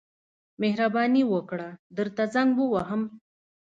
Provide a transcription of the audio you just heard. مهرباني وکړه درته زنګ ووهم.